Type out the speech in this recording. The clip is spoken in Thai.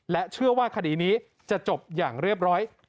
เชื่อว่าคดีนี้จะจบอย่างเรียบร้อย